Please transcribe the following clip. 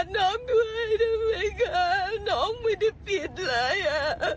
น้องไม่ได้ปิดเลยอะ